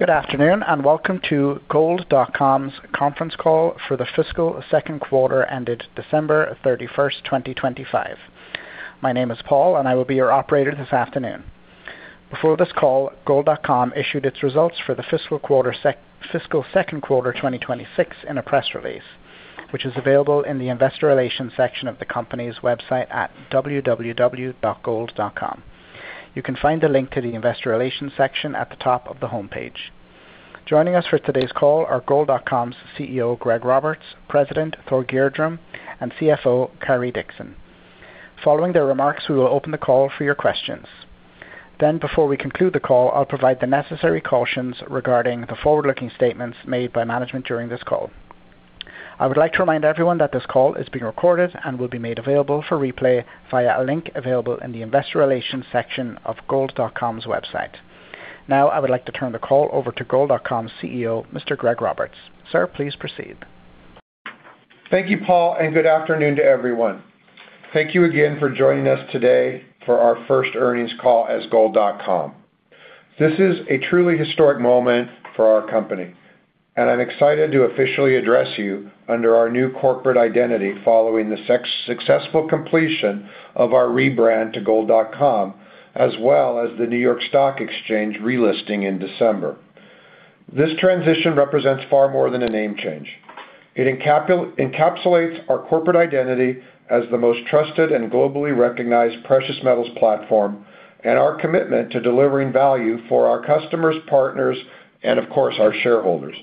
Good afternoon and welcome to Gold.com's conference call for the fiscal second quarter ended December 31st, 2025. My name is Paul, and I will be your operator this afternoon. Before this call, Gold.com issued its results for the fiscal second quarter 2026 in a press release, which is available in the investor relations section of the company's website at www.gold.com. You can find the link to the investor relations section at the top of the homepage. Joining us for today's call are Gold.com's CEO Greg Roberts, President Thor Gjerdrum, and CFO Carrie Dixon. Following their remarks, we will open the call for your questions. Then, before we conclude the call, I'll provide the necessary cautions regarding the forward-looking statements made by management during this call. I would like to remind everyone that this call is being recorded and will be made available for replay via a link available in the investor relations section of Gold.com's website. Now, I would like to turn the call over to Gold.com's CEO, Mr. Greg Roberts. Sir, please proceed. Thank you, Paul, and good afternoon to everyone. Thank you again for joining us today for our first earnings call as Gold.com. This is a truly historic moment for our company, and I'm excited to officially address you under our new corporate identity following the successful completion of our rebrand to Gold.com as well as the New York Stock Exchange relisting in December. This transition represents far more than a name change. It encapsulates our corporate identity as the most trusted and globally recognized precious metals platform and our commitment to delivering value for our customers, partners, and, of course, our shareholders.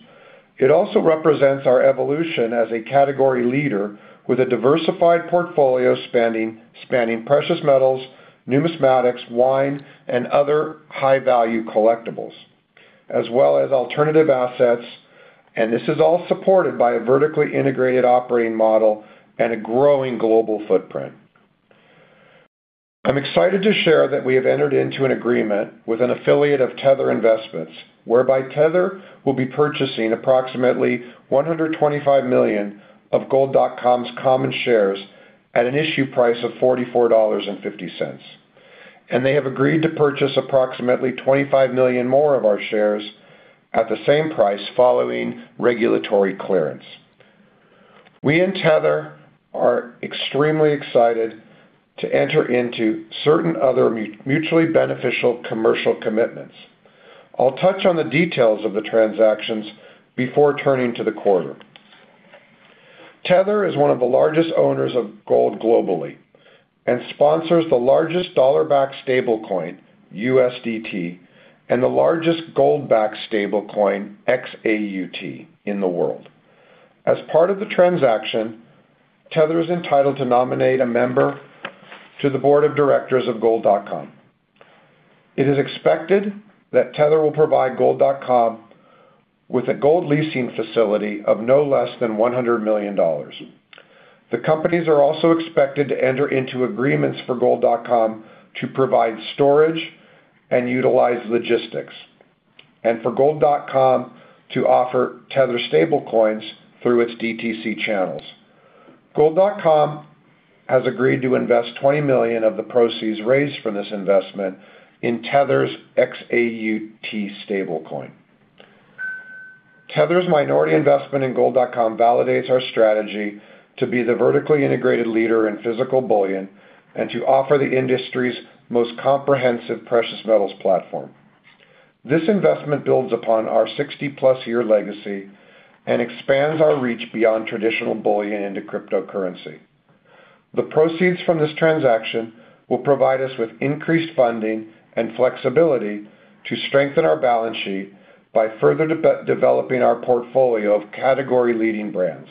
It also represents our evolution as a category leader with a diversified portfolio spanning precious metals, numismatics, wine, and other high-value collectibles, as well as alternative assets, and this is all supported by a vertically integrated operating model and a growing global footprint. I'm excited to share that we have entered into an agreement with an affiliate of Tether Investments whereby Tether will be purchasing approximately 125 million of Gold.com's common shares at an issue price of $44.50, and they have agreed to purchase approximately 25 million more of our shares at the same price following regulatory clearance. We in Tether are extremely excited to enter into certain other mutually beneficial commercial commitments. I'll touch on the details of the transactions before turning to the quarter. Tether is one of the largest owners of gold globally and sponsors the largest dollar-backed stablecoin, USDT, and the largest gold-backed stablecoin, XAUT, in the world. As part of the transaction, Tether is entitled to nominate a member to the board of directors of Gold.com. It is expected that Tether will provide Gold.com with a gold leasing facility of no less than $100 million. The companies are also expected to enter into agreements for Gold.com to provide storage and utilize logistics, and for Gold.com to offer Tether stablecoins through its DTC channels. Gold.com has agreed to invest $20 million of the proceeds raised from this investment in Tether's XAUT stablecoin. Tether's minority investment in Gold.com validates our strategy to be the vertically integrated leader in physical bullion and to offer the industry's most comprehensive precious metals platform. This investment builds upon our 60+year legacy and expands our reach beyond traditional bullion into cryptocurrency. The proceeds from this transaction will provide us with increased funding and flexibility to strengthen our balance sheet by further de-leveraging our portfolio of category-leading brands.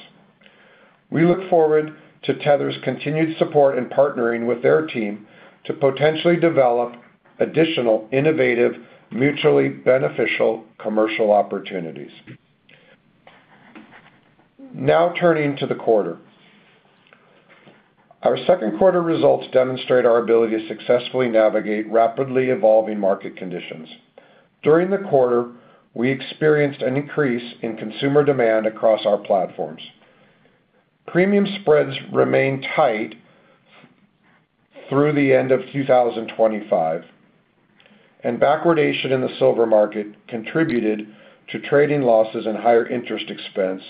We look forward to Tether's continued support and partnering with their team to potentially develop additional innovative, mutually beneficial commercial opportunities. Now turning to the quarter. Our second quarter results demonstrate our ability to successfully navigate rapidly evolving market conditions. During the quarter, we experienced an increase in consumer demand across our platforms. Premium spreads remained tight through the end of 2025, and backwardation in the silver market contributed to trading losses and higher interest expense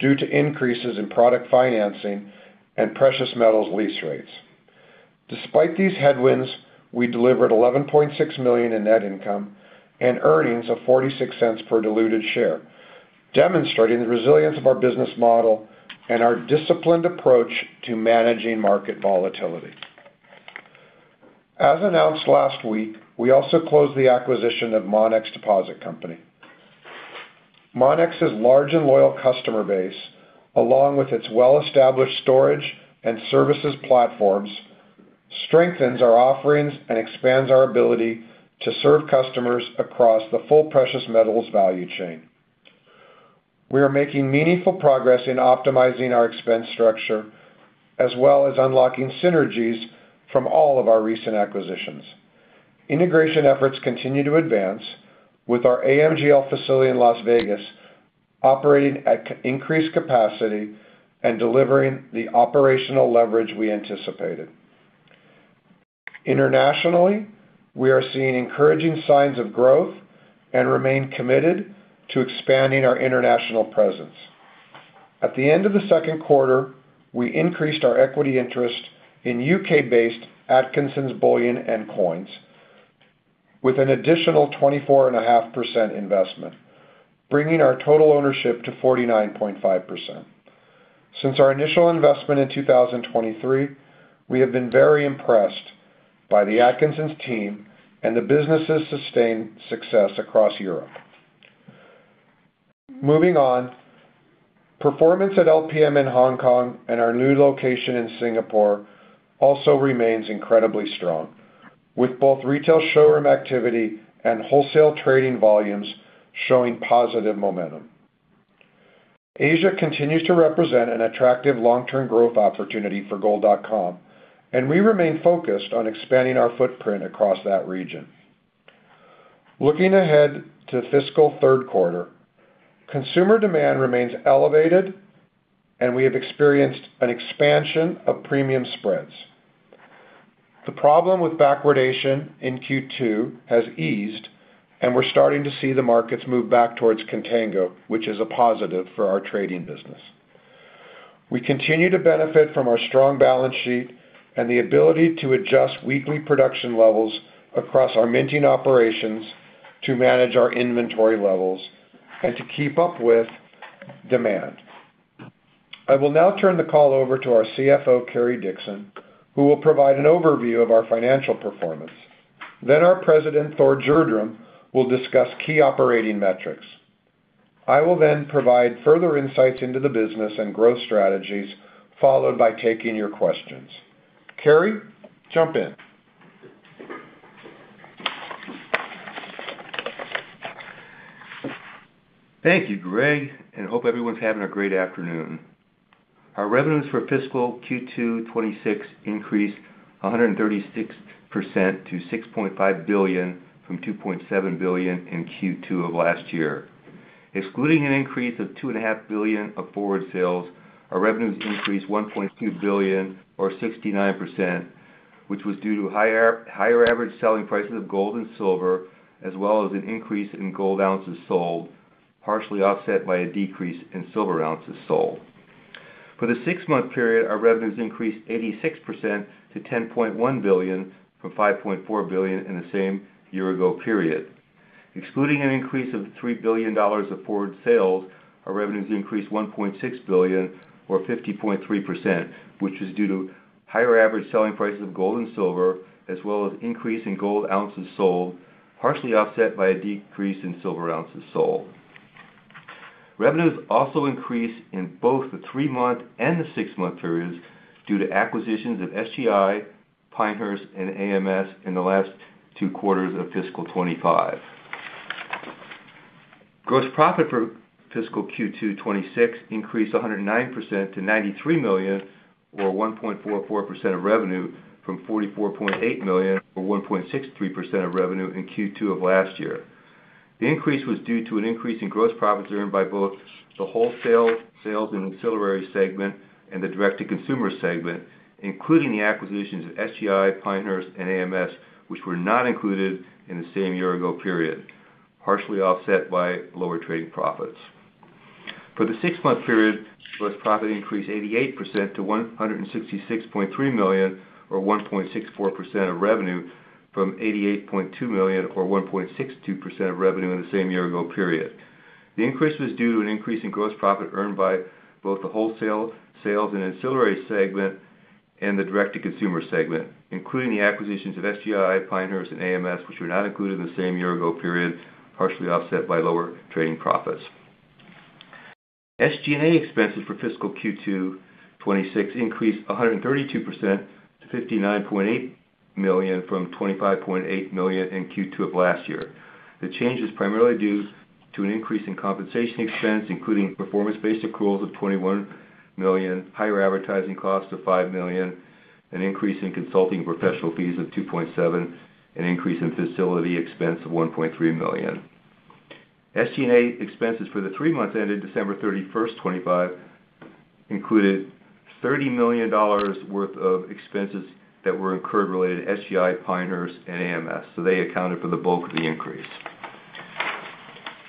due to increases in product financing and precious metals lease rates. Despite these headwinds, we delivered $11.6 million in net income and earnings of $0.46 per diluted share, demonstrating the resilience of our business model and our disciplined approach to managing market volatility. As announced last week, we also closed the acquisition of Monex Deposit Company. Monex's large and loyal customer base, along with its well-established storage and services platforms, strengthens our offerings and expands our ability to serve customers across the full precious metals value chain. We are making meaningful progress in optimizing our expense structure as well as unlocking synergies from all of our recent acquisitions. Integration efforts continue to advance, with our AMGL facility in Las Vegas operating at an increased capacity and delivering the operational leverage we anticipated. Internationally, we are seeing encouraging signs of growth and remain committed to expanding our international presence. At the end of the second quarter, we increased our equity interest in U.K.-based Atkinsons Bullion & Coins with an additional 24.5% investment, bringing our total ownership to 49.5%. Since our initial investment in 2023, we have been very impressed by the Atkinsons team and the business's sustained success across Europe. Moving on, performance at LPM in Hong Kong and our new location in Singapore also remains incredibly strong, with both retail showroom activity and wholesale trading volumes showing positive momentum. Asia continues to represent an attractive long-term growth opportunity for Gold.com, and we remain focused on expanding our footprint across that region. Looking ahead to fiscal third quarter, consumer demand remains elevated, and we have experienced an expansion of premium spreads. The problem with backwardation in Q2 has eased, and we're starting to see the markets move back towards contango, which is a positive for our trading business. We continue to benefit from our strong balance sheet and the ability to adjust weekly production levels across our minting operations to manage our inventory levels and to keep up with demand. I will now turn the call over to our CFO, Carrie Dixon, who will provide an overview of our financial performance. Then our President, Thor Gjerdrum, will discuss key operating metrics. I will then provide further insights into the business and growth strategies, followed by taking your questions. Carrie, jump in. Thank you, Greg, and hope everyone's having a great afternoon. Our revenues for fiscal Q2 2026 increased 136% to $6.5 billion from $2.7 billion in Q2 of last year. Excluding an increase of $2.5 billion of forward sales, our revenues increased $1.2 billion, or 69%, which was due to higher average selling prices of gold and silver, as well as an increase in gold ounces sold, partially offset by a decrease in silver ounces sold. For the six-month period, our revenues increased 86%-$10.1 billion from $5.4 billion in the same year-ago period. Excluding an increase of $3 billion of forward sales, our revenues increased $1.6 billion, or 50.3%, which was due to higher average selling prices of gold and silver, as well as an increase in gold ounces sold, partially offset by a decrease in silver ounces sold. Revenues also increased in both the 3 month and the 6 month periods due to acquisitions of SGI, Pinehurst, and AMS in the last two quarters of fiscal 2025. Gross profit for fiscal Q2 2026 increased 109%-$93 million, or 1.44% of revenue, from $44.8 million, or 1.63% of revenue in Q2 of last year. The increase was due to an increase in gross profits earned by both the wholesale sales and ancillary segment and the direct-to-consumer segment, including the acquisitions of SGI, Pinehurst, and AMS, which were not included in the same year-ago period, partially offset by lower trading profits. For the 6-month period, gross profit increased 88% to $166.3 million, or 1.64% of revenue, from $88.2 million, or 1.62% of revenue in the same year-ago period. The increase was due to an increase in gross profit earned by both the wholesale sales and ancillary segment and the direct-to-consumer segment, including the acquisitions of SGI, Pinehurst, and AMS, which were not included in the same year-ago period, partially offset by lower trading profits. SG&A expenses for fiscal Q2 2026 increased 132%-$59.8 million from $25.8 million in Q2 of last year. The change is primarily due to an increase in compensation expense, including performance-based accruals of $21 million, higher advertising costs of $5 million, an increase in consulting professional fees of $2.7 million, and an increase in facility expense of $1.3 million. SG&A expenses for the three-month ended December 31st, 2025, included $30 million worth of expenses that were incurred related to SGI, Pinehurst, and AMS. So they accounted for the bulk of the increase,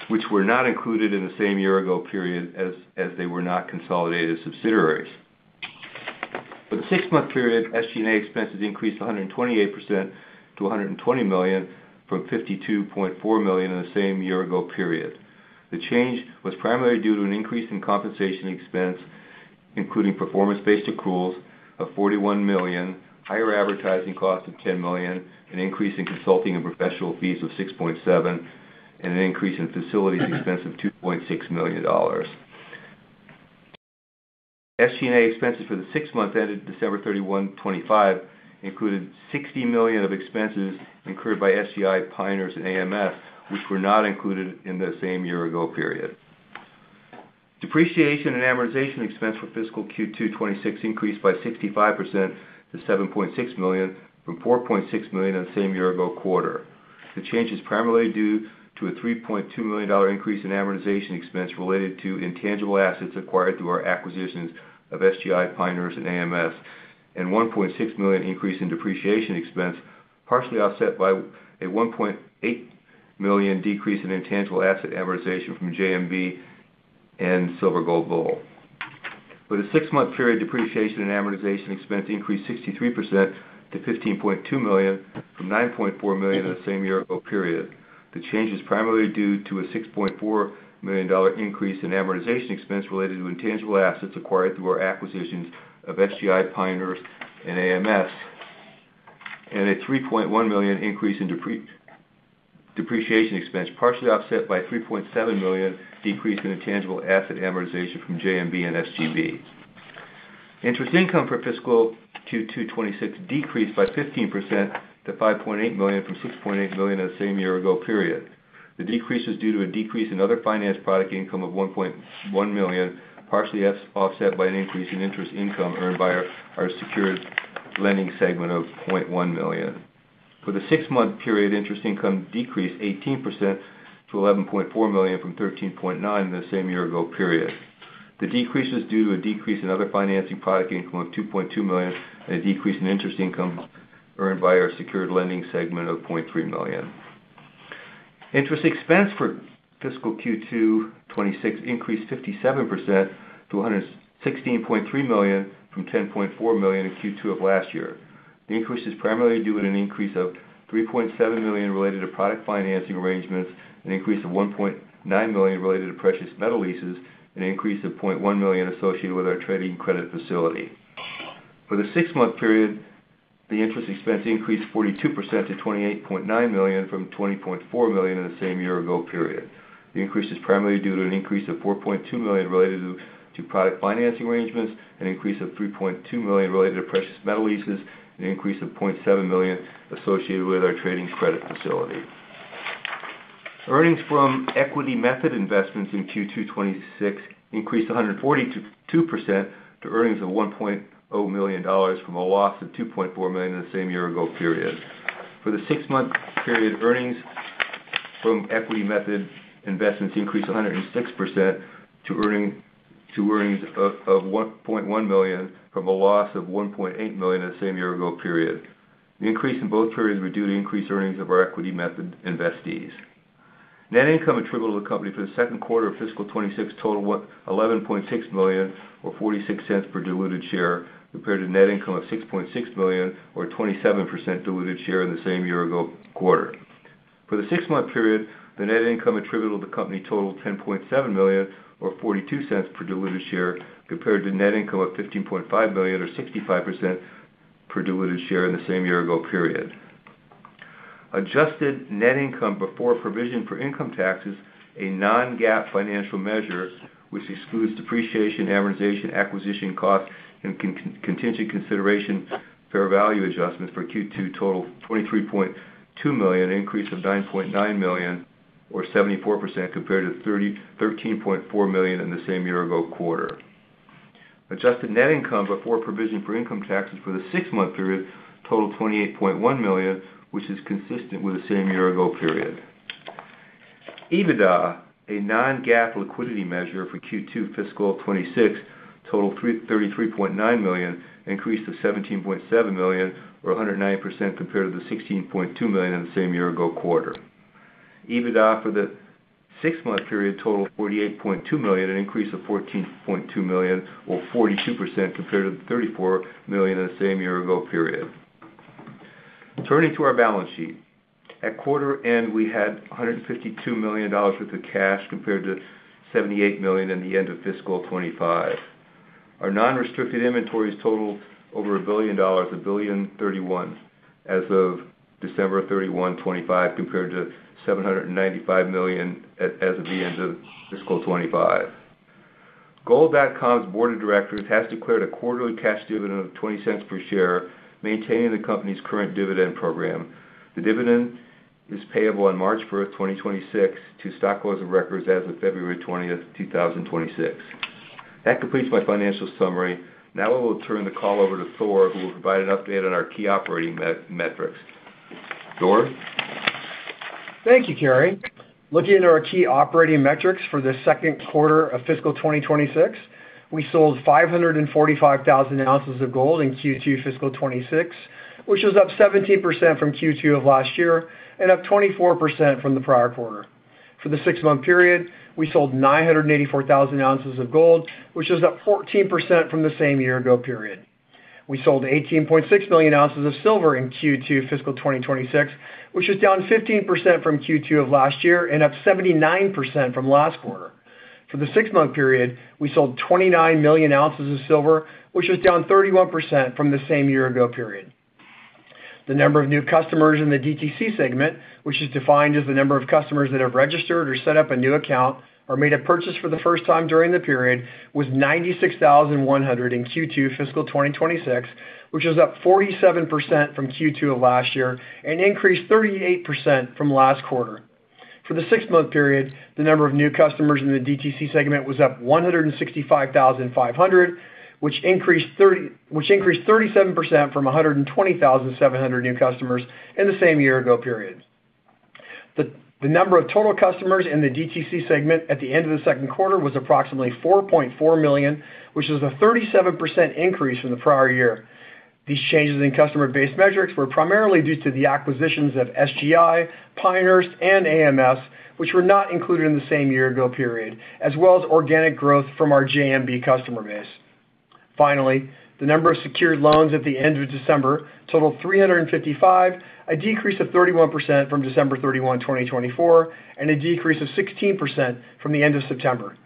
which were not included in the same year-ago period as they were not consolidated subsidiaries. For the six-month period, SG&A expenses increased 128% to $120 million from $52.4 million in the same year-ago period. The change was primarily due to an increase in compensation expense, including performance-based accruals of $41 million, higher advertising costs of $10 million, an increase in consulting and professional fees of $6.7 million, and an increase in facilities expense of $2.6 million. SG&A expenses for the six-month ended December 31, 2025, included $60 million of expenses incurred by SGI, Pinehurst, and AMS, which were not included in the same year-ago period. Depreciation and amortization expense for fiscal Q2 2026 increased by 65% to $7.6 million from $4.6 million in the same year-ago quarter. The change is primarily due to a $3.2 million increase in amortization expense related to intangible assets acquired through our acquisitions of SGI, Pinehurst, and AMS, and a $1.6 million increase in depreciation expense, partially offset by a $1.8 million decrease in intangible asset amortization from JMB and Silver Gold Bull. For the six-month period, depreciation and amortization expense increased 63% to $15.2 million from $9.4 million in the same year-ago period. The change is primarily due to a $6.4 million increase in amortization expense related to intangible assets acquired through our acquisitions of SGI, Pinehurst, and AMS, and a $3.1 million increase in depreciation expense, partially offset by a $3.7 million decrease in intangible asset amortization from JMB and SGB. Interest income for fiscal Q2 2026 decreased by 15% to $5.8 million from $6.8 million in the same year-ago period. The decrease was due to a decrease in other financing product income of $1.1 million, partially offset by an increase in interest income earned by our secured lending segment of $0.1 million. For the six-month period, interest income decreased 18%-$11.4 million from $13.9 million in the same year-ago period. The decrease was due to a decrease in other financing product income of $2.2 million and a decrease in interest income earned by our secured lending segment of $0.3 million. Interest expense for fiscal Q2 2026 increased 57% to $116.3 million from $10.4 million in Q2 of last year. The increase is primarily due to an increase of $3.7 million related to product financing arrangements, an increase of $1.9 million related to precious metal leases, and an increase of $0.1 million associated with our trading credit facility. For the six-month period, the interest expense increased 42%-$28.9 million from $20.4 million in the same year-ago period. The increase is primarily due to an increase of $4.2 million related to product financing arrangements, an increase of $3.2 million related to precious metal leases, and an increase of $0.7 million associated with our trading credit facility. Earnings from equity method investments in Q2 2026 increased 142% to earnings of $1.0 million from a loss of $2.4 million in the same year-ago period. For the six-month period, earnings from equity method investments increased 106% to earnings of $1.1 million from a loss of $1.8 million in the same year-ago period. The increase in both periods was due to increased earnings of our equity method investees. Net income attributable to the company for the second quarter of fiscal 2026 totaled $11.6 million, or $0.46 per diluted share, compared to net income of $6.6 million, or $0.27 per diluted share in the same year-ago quarter. For the six-month period, the net income attributable to the company totaled $10.7 million, or $0.42 per diluted share, compared to net income of $15.5 million, or $0.65 per diluted share in the same year-ago period. Adjusted net income before provision for income taxes, a non-GAAP financial measure, which excludes depreciation, amortization, acquisition costs, and changes in contingent consideration fair value adjustments for Q2 totaled $23.2 million, an increase of $9.9 million, or 74% compared to $13.4 million in the same year-ago quarter. Adjusted net income before provision for income taxes for the six-month period totaled $28.1 million, which is consistent with the same year-ago period. EBITDA, a non-GAAP liquidity measure for Q2 fiscal 2026 totaled $33.9 million, increased to $17.7 million, or 109% compared to the $16.2 million in the same year-ago quarter. EBITDA for the six-month period totaled $48.2 million, an increase of $14.2 million, or 42% compared to the $34 million in the same year-ago period. Turning to our balance sheet, at quarter end, we had $152 million worth of cash compared to $78 million at the end of fiscal 2025. Our non-restricted inventories totaled over a billion dollars at $1.031 billion as of 31st December, 2025, compared to $795 million as of the end of fiscal 2025. Gold.com's board of directors has declared a quarterly cash dividend of $0.20 per share, maintaining the company's current dividend program. The dividend is payable on 1st March 2026, to stockholders of record as of 20th February 2026. That completes my financial summary. Now I will turn the call over to Thor, who will provide an update on our key operating metrics. Thor. Thank you, Carrie. Looking at our key operating metrics for the second quarter of fiscal 2026, we sold 545,000 ounces of gold in Q2 fiscal 2026, which was up 17% from Q2 of last year and up 24% from the prior quarter. For the six-month period, we sold 984,000 ounces of gold, which was up 14% from the same year-ago period. We sold 18.6 million ounces of silver in Q2 fiscal 2026, which was down 15% from Q2 of last year and up 79% from last quarter. For the six-month period, we sold 29 million ounces of silver, which was down 31% from the same year-ago period. The number of new customers in the DTC segment, which is defined as the number of customers that have registered or set up a new account or made a purchase for the first time during the period, was 96,100 in Q2 fiscal 2026, which was up 47% from Q2 of last year and increased 38% from last quarter. For the six-month period, the number of new customers in the DTC segment was up 165,500, which increased 37% from 120,700 new customers in the same year-ago period. The number of total customers in the DTC segment at the end of the second quarter was approximately 4.4 million, which was a 37% increase from the prior year. These changes in customer-based metrics were primarily due to the acquisitions of SGI, Pinehurst, and AMS, which were not included in the same year-ago period, as well as organic growth from our JMB customer base. Finally, the number of secured loans at the end of December totaled 355, a decrease of 31% from 31st December 2024, and a decrease of 16% from the end of September.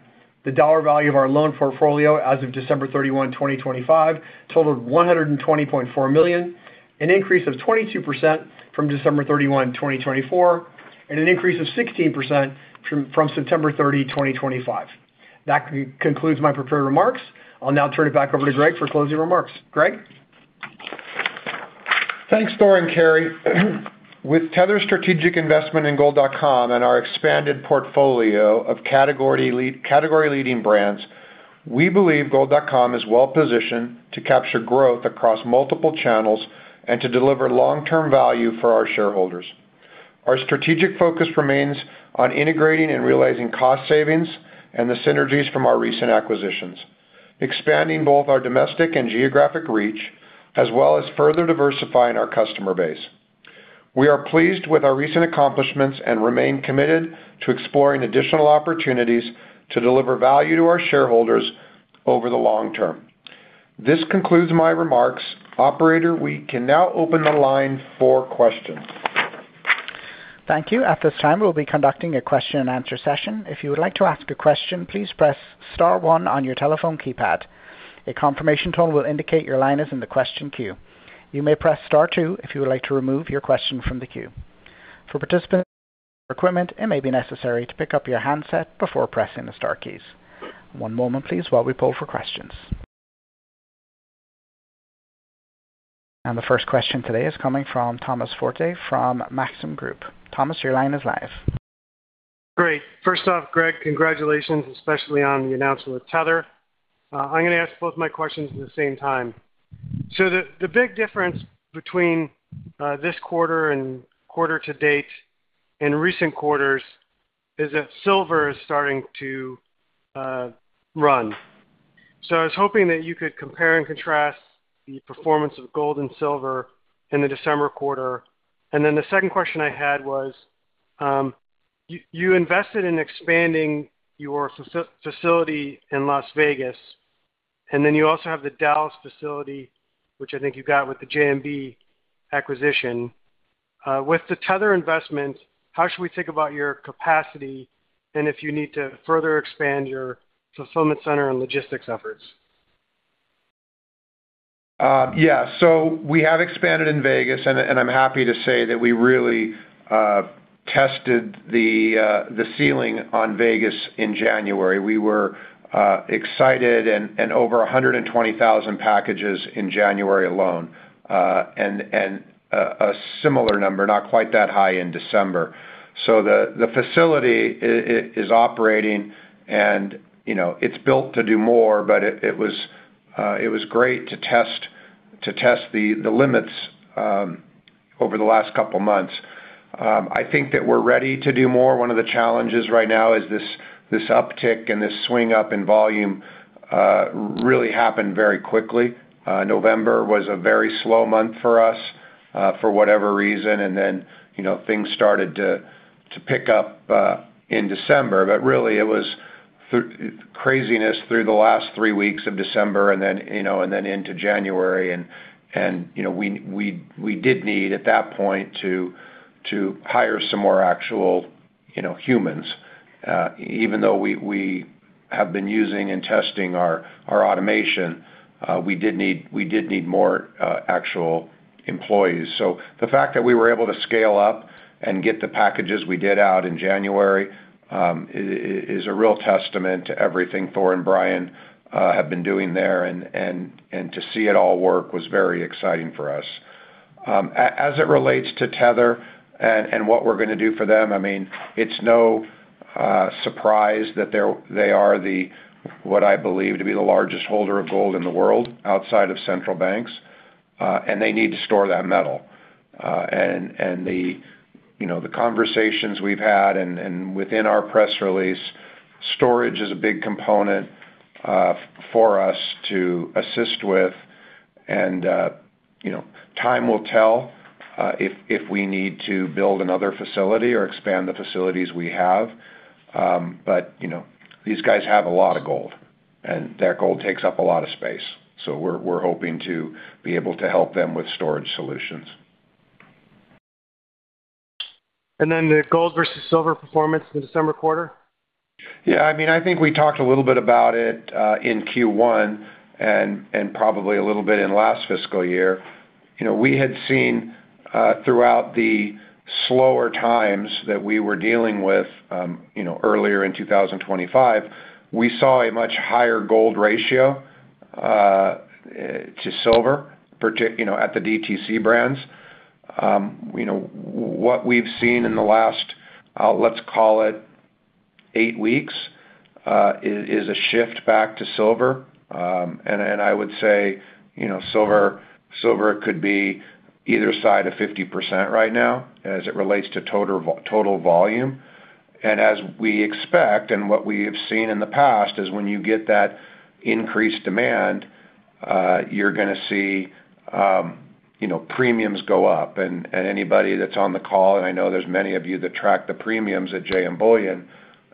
The dollar value of our loan portfolio as of 31st December 2025, totaled $120.4 million, an increase of 22% from 31st December 2024, and an increase of 16% from 30th September 2025. That concludes my prepared remarks. I'll now turn it back over to Greg for closing remarks. Greg. Thanks, Thor and Carrie. With Tether Strategic Investment and Gold.com and our expanded portfolio of category-leading brands, we believe Gold.com is well-positioned to capture growth across multiple channels and to deliver long-term value for our shareholders. Our strategic focus remains on integrating and realizing cost savings and the synergies from our recent acquisitions, expanding both our domestic and geographic reach, as well as further diversifying our customer base. We are pleased with our recent accomplishments and remain committed to exploring additional opportunities to deliver value to our shareholders over the long term. This concludes my remarks. Operator, we can now open the line for questions. Thank you. At this time, we'll be conducting a question-and-answer session. If you would like to ask a question, please press star one on your telephone keypad. A confirmation tone will indicate your line is in the question queue. You may Press Star two if you would like to remove your question from the queue. For participants' equipment, it may be necessary to pick up your handset before pressing the star keys. One moment, please, while we pull for questions. The first question today is coming from Thomas Forte from Maxim Group. Thomas, your line is live. Great. First off, Greg, congratulations, especially on the announcement with Tether. I'm gonna ask both my questions at the same time. So the big difference between this quarter and quarter to date and recent quarters is that silver is starting to run. So I was hoping that you could compare and contrast the performance of gold and silver in the December quarter. And then the second question I had was, you invested in expanding your facility in Las Vegas, and then you also have the Dallas facility, which I think you got with the JMB acquisition. With the Tether investment, how should we think about your capacity and if you need to further expand your fulfillment center and logistics efforts? Yeah. So we have expanded in Vegas, and I'm happy to say that we really tested the ceiling on Vegas in January. We were excited and over 120,000 packages in January alone, and a similar number, not quite that high in December. So the facility is operating, and you know, it's built to do more, but it was great to test the limits over the last couple months. I think that we're ready to do more. One of the challenges right now is this uptick and this swing up in volume really happened very quickly. November was a very slow month for us, for whatever reason, and then you know, things started to pick up in December. But really, it was through craziness through the last three weeks of December and then, you know, and then into January. And, you know, we did need at that point to hire some more actual, you know, humans. Even though we have been using and testing our automation, we did need more actual employees. So the fact that we were able to scale up and get the packages we did out in January is a real testament to everything Thor and Brian have been doing there. And to see it all work was very exciting for us. As it relates to Tether and what we're gonna do for them, I mean, it's no surprise that they are what I believe to be the largest holder of gold in the world outside of central banks. and they need to store that metal. And the, you know, the conversations we've had and within our press release, storage is a big component for us to assist with. And, you know, time will tell if we need to build another facility or expand the facilities we have. But, you know, these guys have a lot of gold, and their gold takes up a lot of space. So we're hoping to be able to help them with storage solutions. The gold versus silver performance in the December quarter? Yeah. I mean, I think we talked a little bit about it in Q1 and probably a little bit in last fiscal year. You know, we had seen throughout the slower times that we were dealing with, you know, earlier in 2025, we saw a much higher gold ratio to silver, particularly you know, at the DTC brands. You know, what we've seen in the last, let's call it, 8 weeks is a shift back to silver. And I would say, you know, silver could be either side of 50% right now as it relates to total volume. And as we expect and what we have seen in the past is when you get that increased demand, you're gonna see, you know, premiums go up. And anybody that's on the call and I know there's many of you that track the premiums at JM Bullion,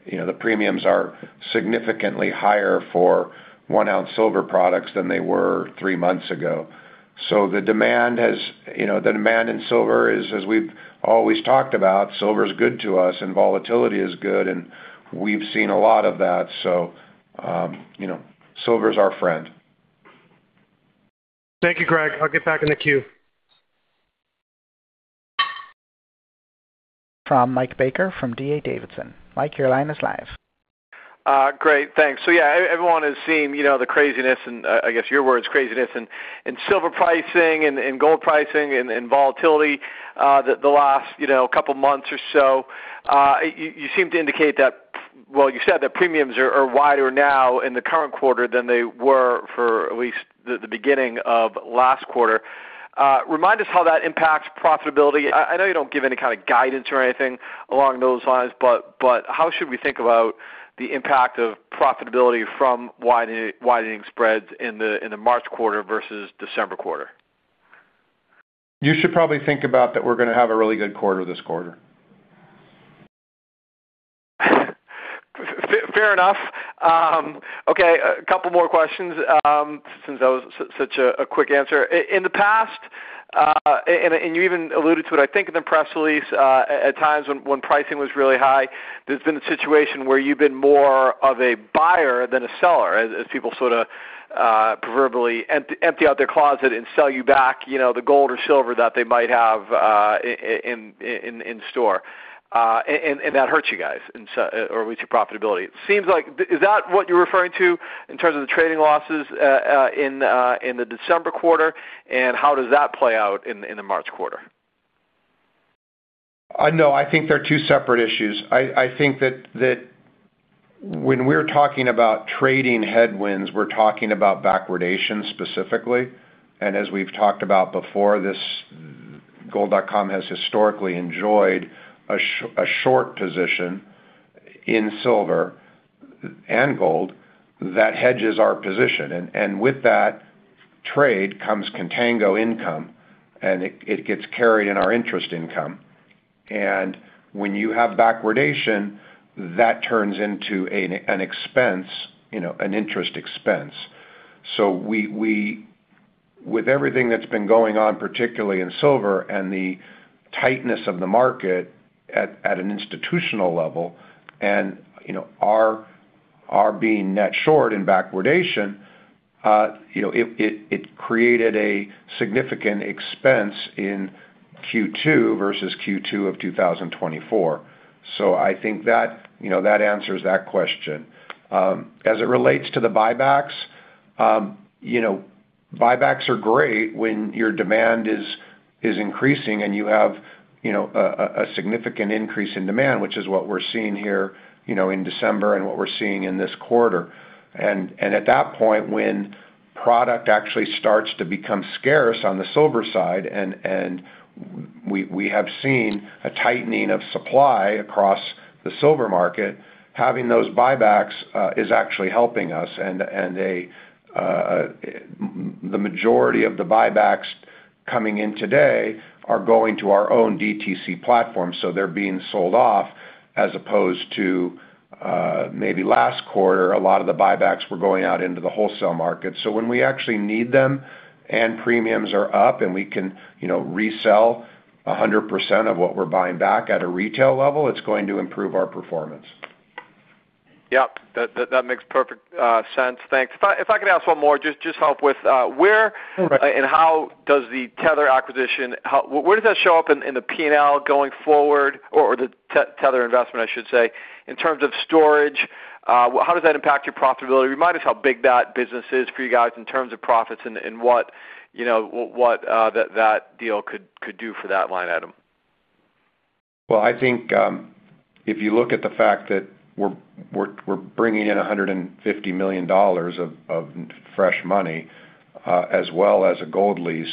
you know, the premiums are significantly higher for one-ounce silver products than they were three months ago. So the demand has you know, the demand in silver is, as we've always talked about, silver's good to us, and volatility is good. And we've seen a lot of that. So, you know, silver's our friend. Thank you, Greg. I'll get back in the queue. From Mike Baker from D.A. Davidson. Mike, your line is live. Great. Thanks. So yeah, everyone has seen, you know, the craziness and, I guess your words, craziness in silver pricing and gold pricing and volatility, the last, you know, couple months or so. You seem to indicate that well, you said that premiums are wider now in the current quarter than they were for at least the beginning of last quarter. Remind us how that impacts profitability. I know you don't give any kind of guidance or anything along those lines, but how should we think about the impact of profitability from widening spreads in the March quarter versus December quarter? You should probably think about that we're gonna have a really good quarter this quarter. Fair enough. Okay, a couple more questions, since that was such a quick answer. In the past, and you even alluded to it, I think, in the press release, at times when pricing was really high, there's been a situation where you've been more of a buyer than a seller, as people sort of prefer to empty out their closet and sell you back, you know, the gold or silver that they might have in store. And that hurts you guys' profitability. It seems like, is that what you're referring to in terms of the trading losses, in the December quarter? And how does that play out in the March quarter? No. I think they're two separate issues. I think that when we're talking about trading headwinds, we're talking about backwardation specifically. And as we've talked about before, this Gold.com has historically enjoyed a short position in silver and gold that hedges our position. And with that trade comes contango income, and it gets carried in our interest income. And when you have backwardation, that turns into an expense, you know, an interest expense. So with everything that's been going on, particularly in silver and the tightness of the market at an institutional level and, you know, our being net short in backwardation, you know, it created a significant expense in Q2 versus Q2 of 2024. So I think that, you know, that answers that question. As it relates to the buybacks, you know, buybacks are great when your demand is increasing and you have, you know, a significant increase in demand, which is what we're seeing here, you know, in December and what we're seeing in this quarter. At that point, when product actually starts to become scarce on the silver side and we have seen a tightening of supply across the silver market, having those buybacks is actually helping us. And the majority of the buybacks coming in today are going to our own DTC platform. So they're being sold off as opposed to, maybe last quarter, a lot of the buybacks were going out into the wholesale market. So when we actually need them and premiums are up and we can, you know, resell 100% of what we're buying back at a retail level, it's going to improve our performance. Yep. That makes perfect sense. Thanks. If I could ask one more, just help with where and how does the Tether acquisition show up in the P&L going forward or the Tether investment, I should say, in terms of storage? How does that impact your profitability? Remind us how big that business is for you guys in terms of profits and what, you know, that deal could do for that line item. Well, I think, if you look at the fact that we're bringing in $150 million of fresh money, as well as a gold lease,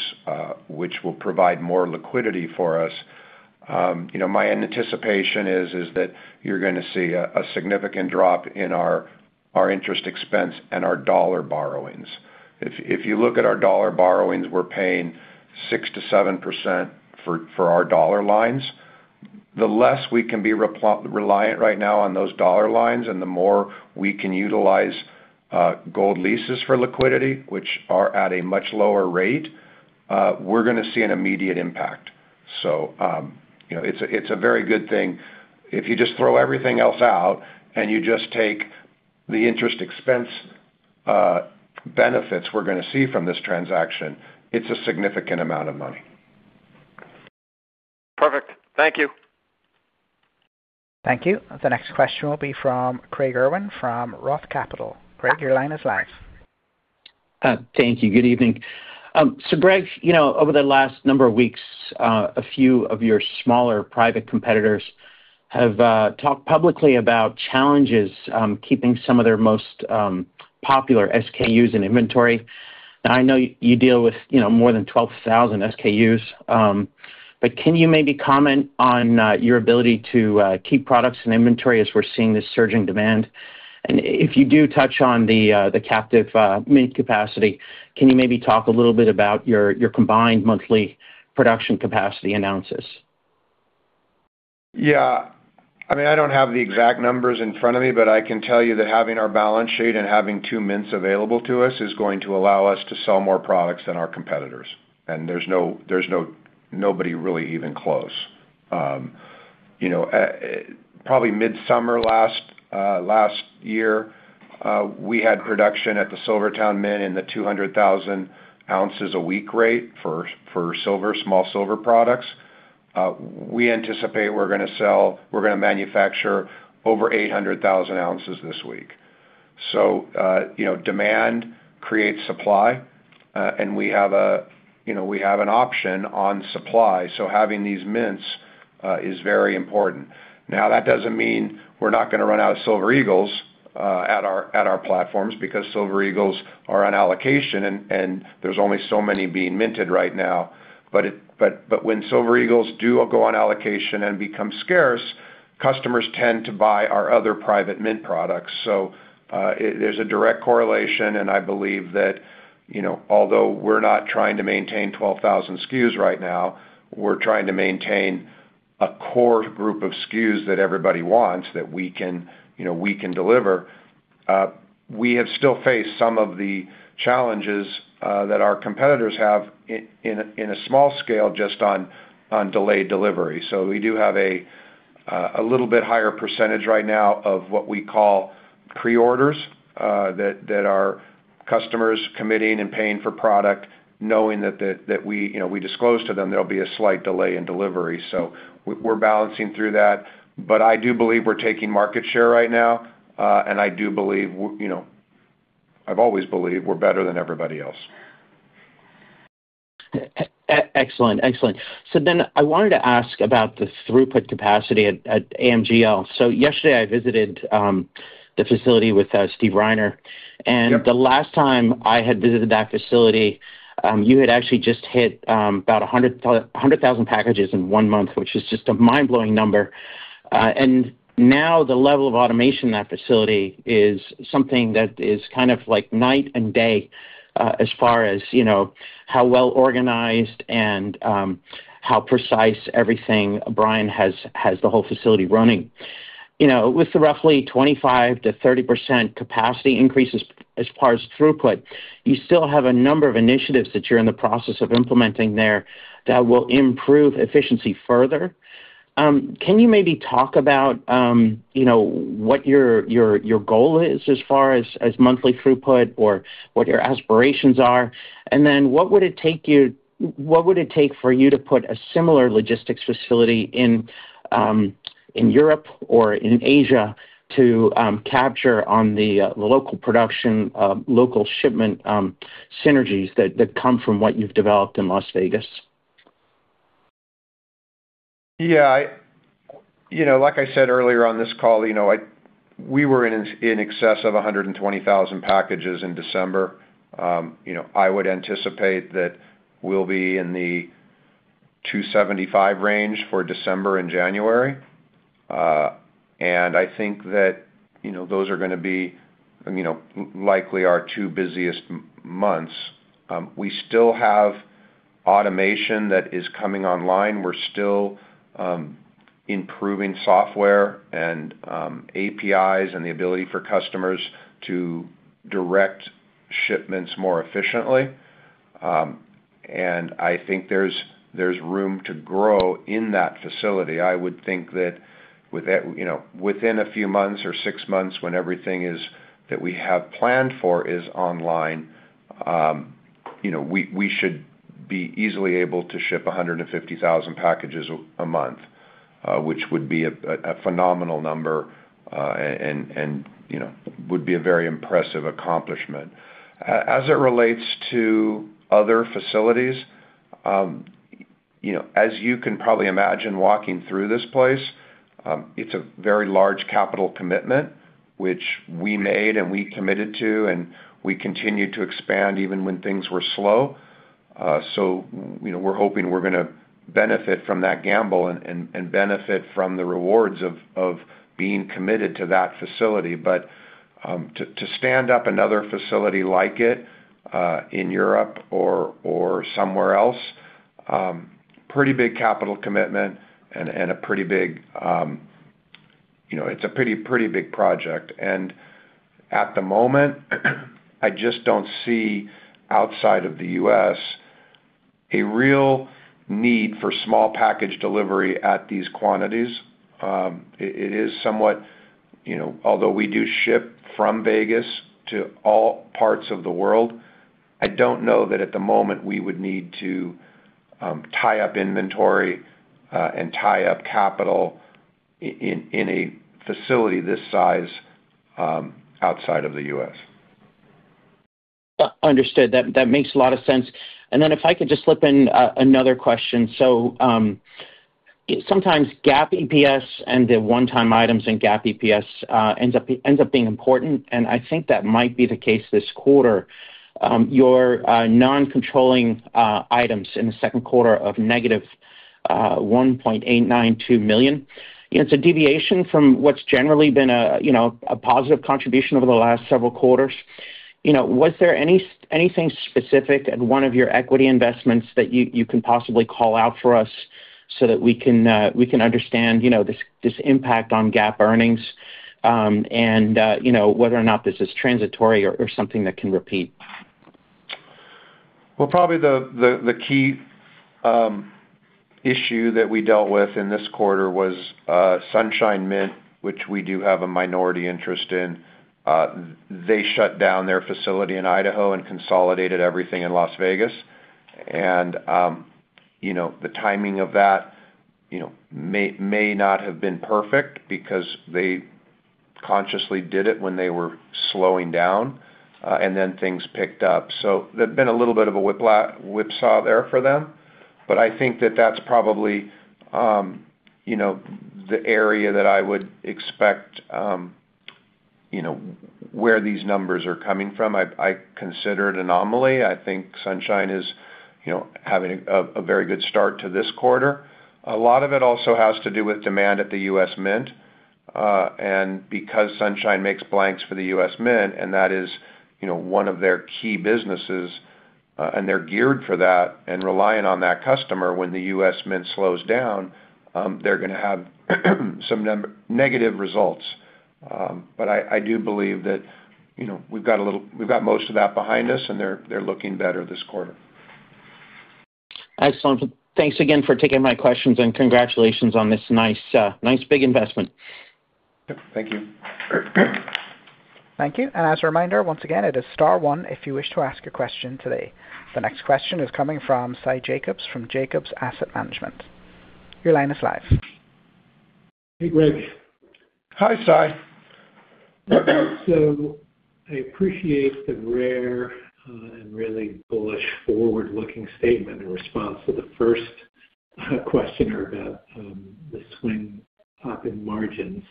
which will provide more liquidity for us, you know, my anticipation is that you're gonna see a significant drop in our interest expense and our dollar borrowings. If you look at our dollar borrowings, we're paying 6%-7% for our dollar lines. The less we can be less reliant right now on those dollar lines and the more we can utilize gold leases for liquidity, which are at a much lower rate, we're gonna see an immediate impact. So, you know, it's a very good thing. If you just throw everything else out and you just take the interest expense, benefits we're gonna see from this transaction, it's a significant amount of money. Perfect. Thank you. Thank you. The next question will be from Craig Irwin from Roth Capital. Craig, your line is live. Thank you. Good evening. So Greg, you know, over the last number of weeks, a few of your smaller private competitors have talked publicly about challenges keeping some of their most popular SKUs in inventory. Now, I know you deal with, you know, more than 12,000 SKUs, but can you maybe comment on your ability to keep products in inventory as we're seeing this surging demand? And if you do touch on the captive mint capacity, can you maybe talk a little bit about your combined monthly production capacity analysis? Yeah. I mean, I don't have the exact numbers in front of me, but I can tell you that having our balance sheet and having two mints available to us is going to allow us to sell more products than our competitors. And there's no there's no nobody really even close. You know, at probably midsummer last year, we had production at the SilverTowne Mint in the 200,000 ounces a week rate for silver, small silver products. We anticipate we're gonna manufacture over 800,000 ounces this week. So, you know, demand creates supply, and we have, you know, an option on supply. So having these mints is very important. Now, that doesn't mean we're not gonna run out of Silver Eagles at our platforms because Silver Eagles are on allocation, and there's only so many being minted right now. But when Silver Eagles do go on allocation and become scarce, customers tend to buy our other private mint products. So, there's a direct correlation. And I believe that, you know, although we're not trying to maintain 12,000 SKUs right now, we're trying to maintain a core group of SKUs that everybody wants that we can, you know, deliver. We have still faced some of the challenges that our competitors have in a small scale just on delayed delivery. So we do have a little bit higher percentage right now of what we call preorders, our customers committing and paying for product knowing that we, you know, disclose to them there'll be a slight delay in delivery. So we're balancing through that. But I do believe we're taking market share right now, and I do believe you know, I've always believed we're better than everybody else. Excellent. Excellent. So then I wanted to ask about the throughput capacity at AMGL. So yesterday, I visited the facility with Steve Reiner. The last time I had visited that facility, you had actually just hit about 100,000 packages in one month, which is just a mind-blowing number. And now, the level of automation in that facility is something that is kind of like night and day, as far as, you know, how well organized and how precise everything Brian has the whole facility running. You know, with the roughly 25%-30% capacity increases as far as throughput, you still have a number of initiatives that you are in the process of implementing there that will improve efficiency further. Can you maybe talk about, you know, what your goal is as far as monthly throughput or what your aspirations are? Then what would it take for you to put a similar logistics facility in Europe or in Asia to capture the local production, local shipment, synergies that come from what you've developed in Las Vegas? Yeah. You know, like I said earlier on this call, you know, we were in excess of 120,000 packages in December. You know, I would anticipate that we'll be in the 275 range for December and January. And I think that, you know, those are gonna be, you know, likely our two busiest months. We still have automation that is coming online. We're still improving software and APIs and the ability for customers to direct shipments more efficiently. And I think there's room to grow in that facility. I would think that with, you know, within a few months or six months, when everything that we have planned for is online, you know, we should be easily able to ship 150,000 packages a month, which would be a phenomenal number, and, you know, would be a very impressive accomplishment. As it relates to other facilities, you know, as you can probably imagine walking through this place, it's a very large capital commitment, which we made and we committed to, and we continue to expand even when things were slow. So, you know, we're hoping we're gonna benefit from that gamble and benefit from the rewards of being committed to that facility. But to stand up another facility like it, in Europe or somewhere else, pretty big capital commitment and a pretty big, you know, it's a pretty big project. At the moment, I just don't see outside of the U.S. a real need for small package delivery at these quantities. It is somewhat, you know, although we do ship from Vegas to all parts of the world, I don't know that at the moment, we would need to tie up inventory, and tie up capital in a facility this size, outside of the U.S. Understood. That makes a lot of sense. And then if I could just slip in another question. So, I sometimes GAAP EPS and the one-time items in GAAP EPS ends up being important. And I think that might be the case this quarter. Your non-controlling items in the second quarter of $-1.892 million. You know, it's a deviation from what's generally been a you know a positive contribution over the last several quarters. You know, was there anything specific at one of your equity investments that you can possibly call out for us so that we can understand you know this impact on GAAP earnings, and you know whether or not this is transitory or something that can repeat? Well, probably the key issue that we dealt with in this quarter was Sunshine Mint, which we do have a minority interest in. They shut down their facility in Idaho and consolidated everything in Las Vegas. And, you know, the timing of that, you know, may, may not have been perfect because they consciously did it when they were slowing down, and then things picked up. So there'd been a little bit of a whipsaw there for them. But I think that that's probably, you know, the area that I would expect, you know, where these numbers are coming from. I consider it anomaly. I think Sunshine is, you know, having a very good start to this quarter. A lot of it also has to do with demand at the U.S. Mint. Because Sunshine makes blanks for the U.S. Mint, and that is, you know, one of their key businesses, and they're geared for that and relying on that customer when the U.S. Mint slows down, they're gonna have some number negative results. But I do believe that, you know, we've got most of that behind us, and they're looking better this quarter. Excellent. Thanks again for taking my questions, and congratulations on this nice, nice big investment. Yep. Thank you. Thank you. As a reminder, once again, it is star one if you wish to ask a question today. The next question is coming from Sy Jacobs from Jacobs Asset Management. Your line is live. Hey, Greg. Hi, Sy. So I appreciate the rare and really bullish forward-looking statement in response to the first questioner about the swing up in margins.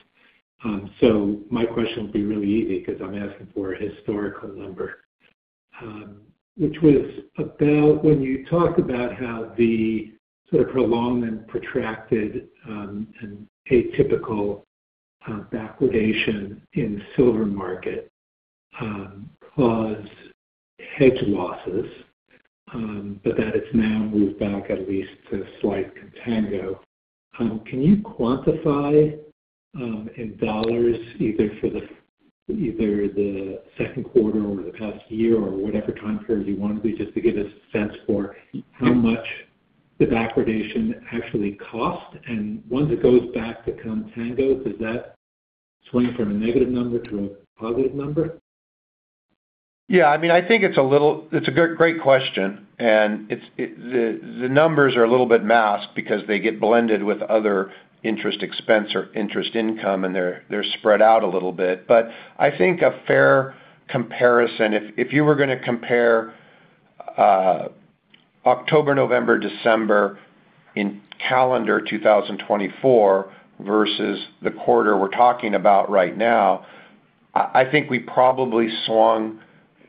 So my question will be really easy 'cause I'm asking for a historical number, which was about when you talked about how the sort of prolonged and protracted and atypical backwardation in the silver market caused hedge losses, but that it's now moved back at least to slight contango. Can you quantify in dollars either the second quarter or the past year or whatever time period you want just to give us a sense for how much the backwardation actually cost? And once it goes back to contango, does that swing from a negative number to a positive number? Yeah. I mean, I think it's a little it's a great question. And it's in the, the numbers are a little bit masked because they get blended with other interest expense or interest income, and they're, they're spread out a little bit. But I think a fair comparison if, if you were gonna compare, October, November, December in calendar 2024 versus the quarter we're talking about right now, I, I think we probably swung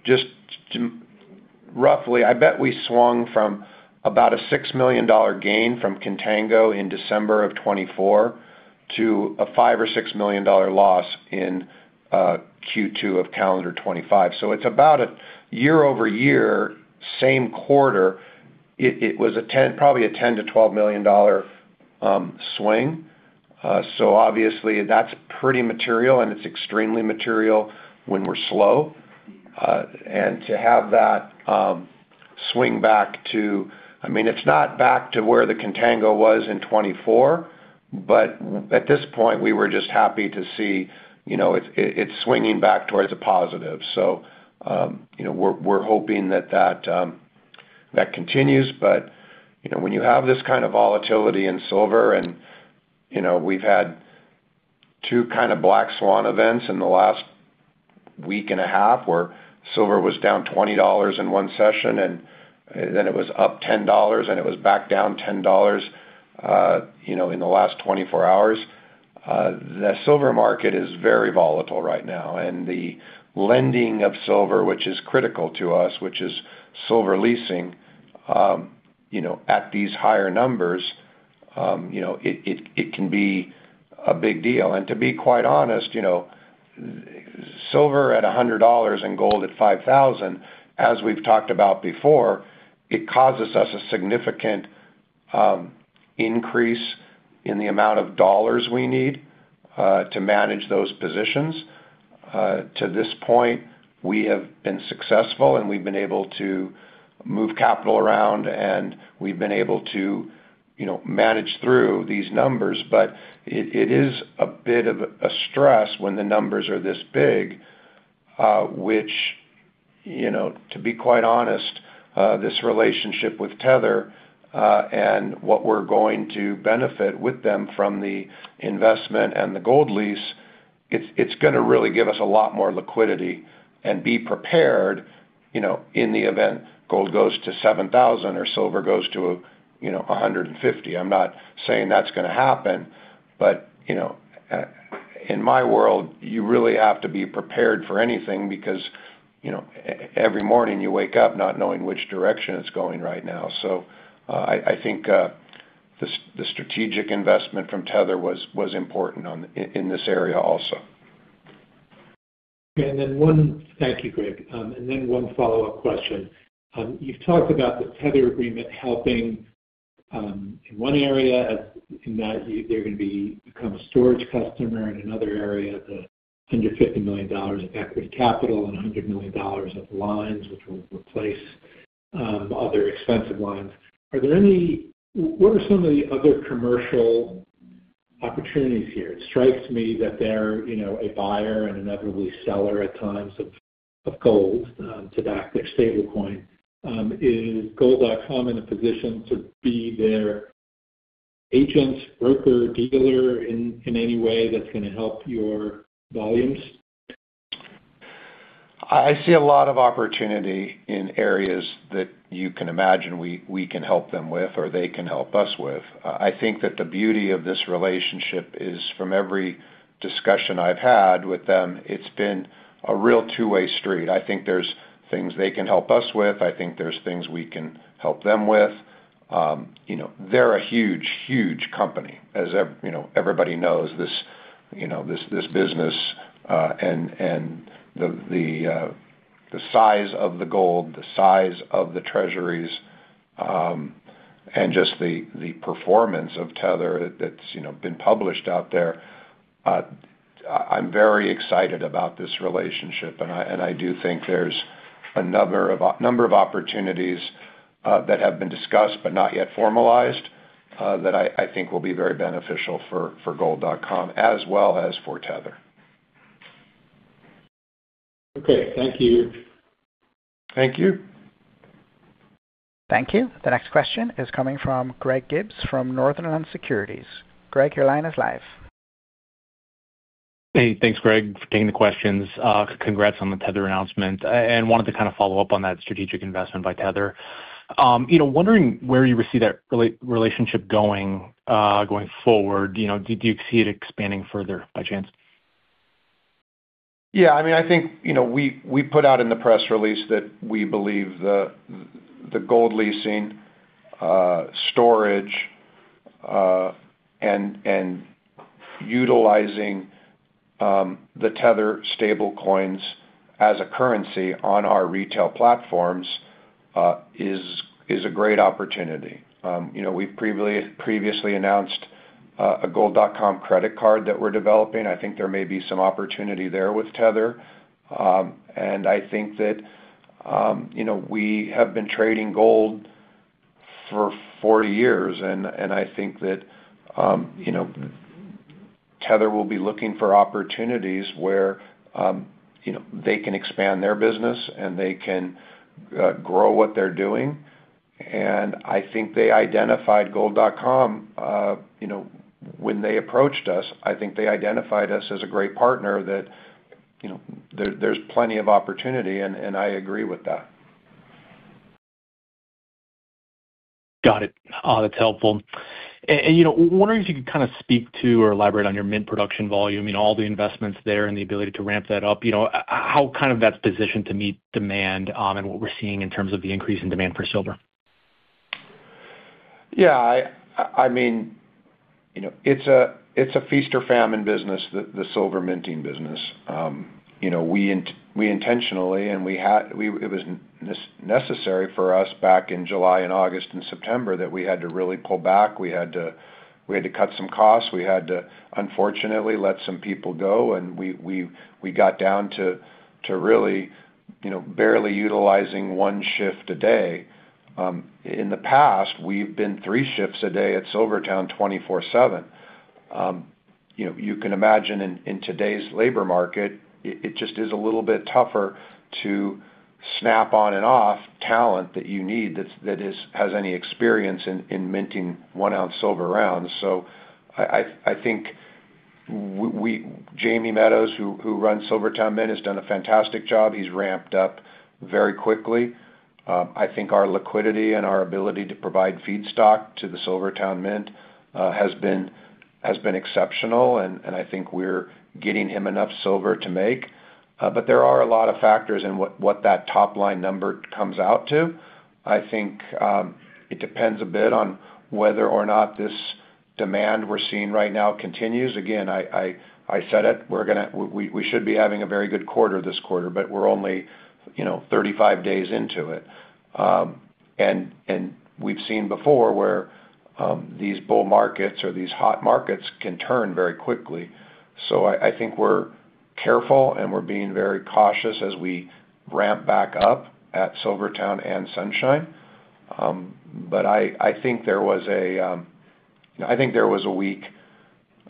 just roughly, I bet we swung from about a $6 million gain from contango in December of 2024 to a $5 or $6 million loss in, Q2 of calendar 2025. So it's about a year-over-year, same quarter, it was a $10-$12 million swing. So obviously, that's pretty material, and it's extremely material when we're slow. and to have that swing back to—I mean, it's not back to where the contango was in 2024, but what at this point, we were just happy to see, you know, it's, it's swinging back towards a positive. So, you know, we're, we're hoping that that, that continues. But, you know, when you have this kind of volatility in silver and, you know, we've had two kind of black swan events in the last week and a half where silver was down $20 in one session, and, then it was up $10, and it was back down $10, you know, in the last 24 hours, the silver market is very volatile right now. And the lending of silver, which is critical to us, which is silver leasing, you know, at these higher numbers, you know, it, it can be a big deal. To be quite honest, you know, silver at $100 and gold at $5,000, as we've talked about before, it causes us a significant increase in the amount of dollars we need to manage those positions. To this point, we have been successful, and we've been able to move capital around, and we've been able to, you know, manage through these numbers. But it is a bit of a stress when the numbers are this big, which, you know, to be quite honest, this relationship with Tether, and what we're going to benefit with them from the investment and the gold lease, it's gonna really give us a lot more liquidity and be prepared, you know, in the event gold goes to $7,000 or silver goes to $150. I'm not saying that's gonna happen. But, you know, in my world, you really have to be prepared for anything because, you know, every morning, you wake up not knowing which direction it's going right now. So, I think, the strategic investment from Tether was important in this area also. Okay. Thank you, Greg. And then one follow-up question. You've talked about the Tether agreement helping, in one area as in that they're gonna become a storage customer, and in another area, the $150 million of equity capital and $100 million of lines, which will replace other expensive lines. Are there any what are some of the other commercial opportunities here? It strikes me that they're, you know, a buyer and inevitably seller at times of gold, Tether, their stablecoin. Is Gold.com in a position to be their agent, broker, dealer in any way that's gonna help your volumes? I see a lot of opportunity in areas that you can imagine we can help them with or they can help us with. I think that the beauty of this relationship is from every discussion I've had with them, it's been a real two-way street. I think there's things they can help us with. I think there's things we can help them with. You know, they're a huge, huge company, as you know, everybody knows this, you know, this business, and the size of the gold, the size of the treasuries, and just the performance of Tether that's, you know, been published out there. I'm very excited about this relationship, and I do think there's a number of opportunities that have been discussed but not yet formalized, that I think will be very beneficial for Gold.com as well as for Tether. Okay. Thank you. Thank you. Thank you. The next question is coming from Greg Gibbs from Northland Securities. Greg, your line is live. Hey. Thanks, Greg, for taking the questions. Congrats on the Tether announcement. And wanted to kinda follow up on that strategic investment by Tether. You know, wondering where you see that relationship going forward. You know, do you see it expanding further, by chance? Yeah. I mean, I think, you know, we put out in the press release that we believe the gold leasing, storage, and utilizing the Tether stablecoins as a currency on our retail platforms is a great opportunity. You know, we've previously announced a Gold.com credit card that we're developing. I think there may be some opportunity there with Tether. And I think that, you know, we have been trading gold for 40 years, and I think that, you know, the Tether will be looking for opportunities where, you know, they can expand their business, and they can grow what they're doing. And I think they identified Gold.com, you know, when they approached us. I think they identified us as a great partner that, you know, there's plenty of opportunity, and I agree with that. Got it. That's helpful. And, you know, wondering if you could kinda speak to or elaborate on your mint production volume, you know, all the investments there and the ability to ramp that up. You know, how kind of that's positioned to meet demand, and what we're seeing in terms of the increase in demand for silver? Yeah. I mean, you know, it's a feast or famine business, the silver minting business. You know, we intentionally, and we had, it was necessary for us back in July and August and September that we had to really pull back. We had to cut some costs. We had to, unfortunately, let some people go. And we got down to really, you know, barely utilizing one shift a day. In the past, we've been three shifts a day at SilverTowne 24/7. You know, you can imagine in today's labor market, it just is a little bit tougher to snap on and off talent that you need that has any experience in minting one-ounce silver rounds. So I think Jamie Meadows, who runs SilverTowne Mint, has done a fantastic job. He's ramped up very quickly. I think our liquidity and our ability to provide feedstock to the SilverTowne Mint has been exceptional. And I think we're getting him enough silver to make, but there are a lot of factors in what that top-line number comes out to. I think it depends a bit on whether or not this demand we're seeing right now continues. Again, I said it. We're gonna, we should be having a very good quarter this quarter, but we're only, you know, 35 days into it. And we've seen before where these bull markets or these hot markets can turn very quickly. So I think we're careful, and we're being very cautious as we ramp back up at SilverTowne and Sunshine. But I think there was, you know, a week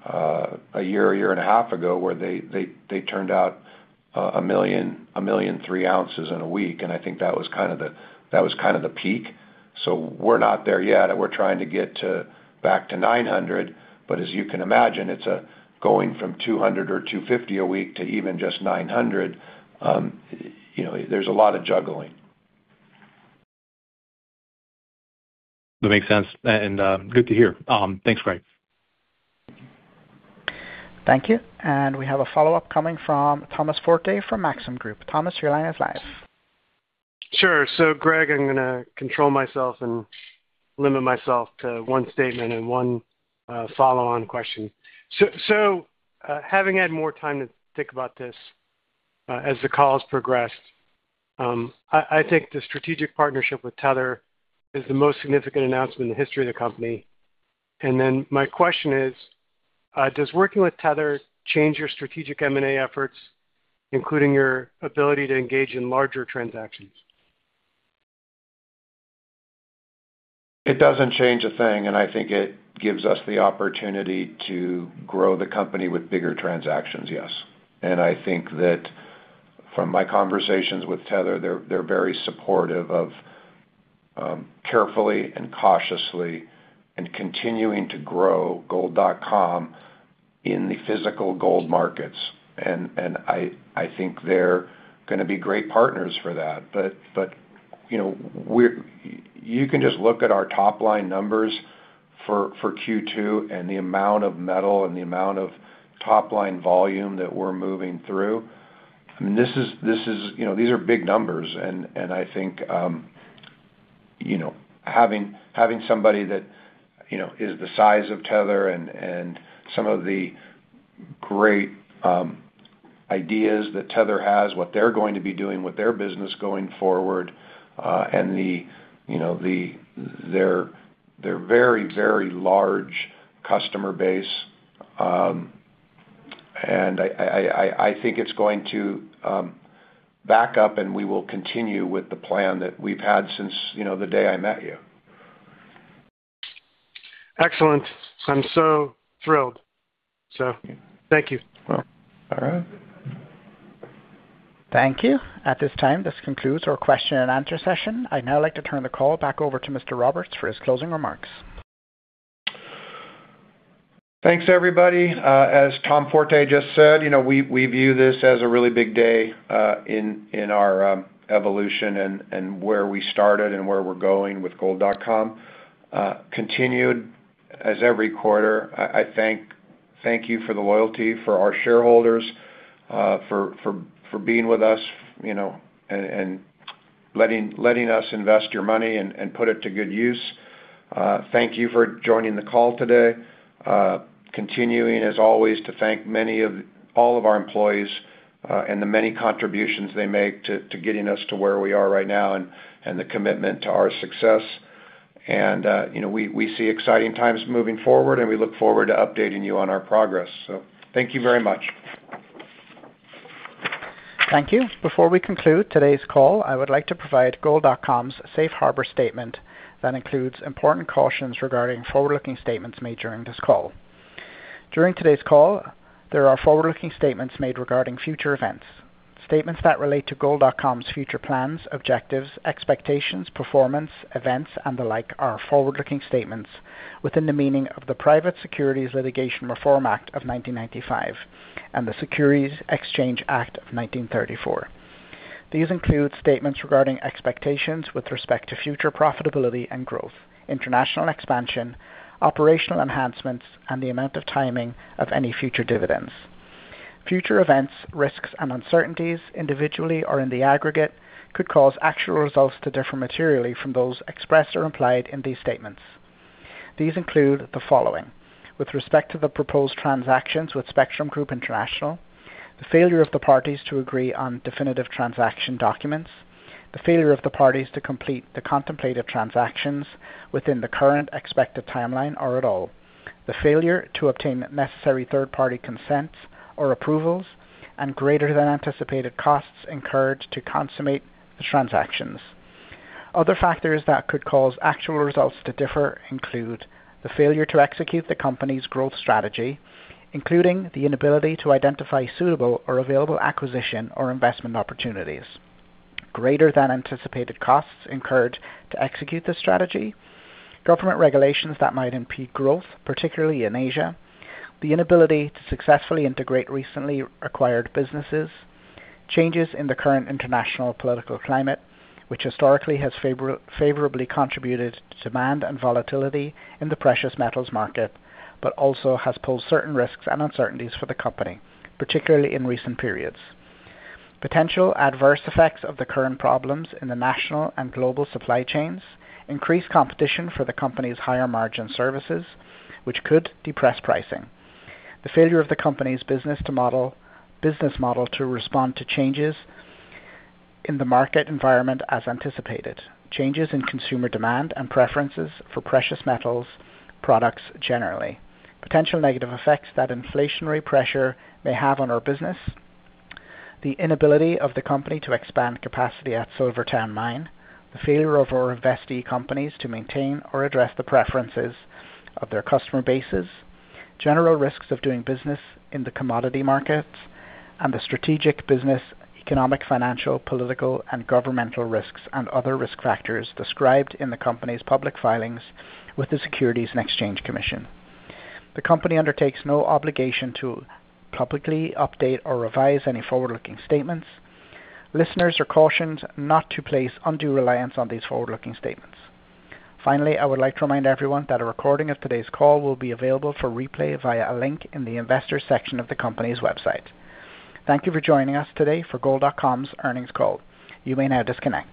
a year and a half ago where they turned out 1.3 million ounces in a week. And I think that was kinda the peak. So we're not there yet. We're trying to get back to 900. But as you can imagine, it's going from 200 or 250 a week to even just 900. You know, there's a lot of juggling. That makes sense. And, good to hear. Thanks, Greg. Thank you. We have a follow-up coming from Thomas Forte from Maxim Group. Thomas, your line is live. Sure. So, Greg, I'm gonna control myself and limit myself to one statement and one follow-on question. So, having had more time to think about this, as the call has progressed, I think the strategic partnership with Tether is the most significant announcement in the history of the company. And then my question is, does working with Tether change your strategic M&A efforts, including your ability to engage in larger transactions? It doesn't change a thing. And I think it gives us the opportunity to grow the company with bigger transactions, yes. And I think that from my conversations with Tether, they're very supportive of carefully and cautiously continuing to grow Gold.com in the physical gold markets. And I think they're gonna be great partners for that. But you know, you can just look at our top-line numbers for Q2 and the amount of metal and the amount of top-line volume that we're moving through. I mean, this is, you know, these are big numbers. And I think you know, having somebody that you know is the size of Tether and some of the great ideas that Tether has, what they're going to be doing with their business going forward, and you know the their very very large customer base, and I think it's going to back up, and we will continue with the plan that we've had since you know the day I met you. Excellent. I'm so thrilled, so. Thank you. Well, all right. Thank you. At this time, this concludes our question-and-answer session. I'd now like to turn the call back over to Mr. Roberts for his closing remarks. Thanks, everybody. As Tom Forte just said, you know, we view this as a really big day in our evolution and where we started and where we're going with Gold.com, continued as every quarter. I thank you for the loyalty for our shareholders for being with us, you know, and letting us invest your money and put it to good use. Thank you for joining the call today, continuing, as always, to thank many of all of our employees, and the many contributions they make to getting us to where we are right now and the commitment to our success. You know, we see exciting times moving forward, and we look forward to updating you on our progress. So thank you very much. Thank you. Before we conclude today's call, I would like to provide Gold.com's Safe Harbor Statement that includes important cautions regarding forward-looking statements made during this call. During today's call, there are forward-looking statements made regarding future events. Statements that relate to Gold.com's future plans, objectives, expectations, performance, events, and the like are forward-looking statements within the meaning of the Private Securities Litigation Reform Act of 1995 and the Securities Exchange Act of 1934. These include statements regarding expectations with respect to future profitability and growth, international expansion, operational enhancements, and the amount of timing of any future dividends. Future events, risks, and uncertainties, individually or in the aggregate, could cause actual results to differ materially from those expressed or implied in these statements. These include the following: with respect to the proposed transactions with Spectrum Group International, the failure of the parties to agree on definitive transaction documents, the failure of the parties to complete the contemplated transactions within the current expected timeline or at all, the failure to obtain necessary third-party consents or approvals, and greater than anticipated costs incurred to consummate the transactions. Other factors that could cause actual results to differ include the failure to execute the company's growth strategy, including the inability to identify suitable or available acquisition or investment opportunities, greater than anticipated costs incurred to execute the strategy, government regulations that might impede growth, particularly in Asia, the inability to successfully integrate recently acquired businesses, changes in the current international political climate, which historically has favorably contributed to demand and volatility in the precious metals market but also has posed certain risks and uncertainties for the company, particularly in recent periods, potential adverse effects of the current problems in the national and global supply chains, increased competition for the company's higher-margin services, which could depress pricing, the failure of the company's business model to respond to changes in the market environment as anticipated, changes in consumer demand and preferences for precious metals products generally, potential negative effects that inflationary pressure may have on our business, the inability of the company to expand capacity at SilverTowne Mint, the failure of our investee companies to maintain or address the preferences of their customer bases, general risks of doing business in the commodity markets, and the strategic business, economic, financial, political, and governmental risks and other risk factors described in the company's public filings with the Securities and Exchange Commission. The company undertakes no obligation to publicly update or revise any forward-looking statements. Listeners are cautioned not to place undue reliance on these forward-looking statements. Finally, I would like to remind everyone that a recording of today's call will be available for replay via a link in the investors section of the company's website. Thank you for joining us today for Gold.com's Earnings Call. You may now disconnect.